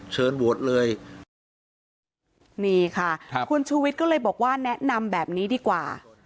เชิญโหวตเลยนี่ค่ะครับคุณชูวิทย์ก็เลยบอกว่าแนะนำแบบนี้ดีกว่า